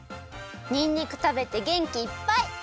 にんにくたべてげんきいっぱい！